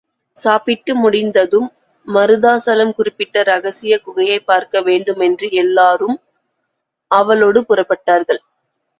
சாப்பிட்டு முடிந்ததும் மருதாசலம் குறிப்பிட்ட ரகசிய குகையைப் பார்க்க வேண்டுமென்று எல்லாரும் ஆவலோடு புறப்பட்டார்கள்.